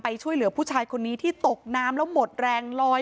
ช่วยเหลือผู้ชายคนนี้ที่ตกน้ำแล้วหมดแรงลอย